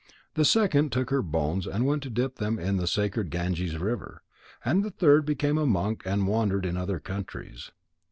The second took her bones and went to dip them in the sacred Ganges river. And the third became a monk and wandered in other countries.